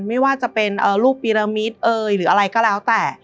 ไม่ว่าจะเป็นรูปปีรมิตเอ่ยหรืออะไรก็แล้วแต่